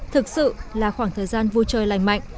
thực sự là khoảng thời gian vui chơi lành mạnh